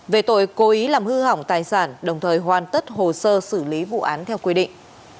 về tội cố ý làm hư hỏng tài sản đồng thời hoàn tất hồ sơ xử lý vụ án theo quy định